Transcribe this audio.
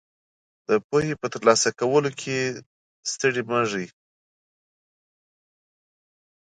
د پوهې په ترلاسه کولو کې ستړي مه ږئ.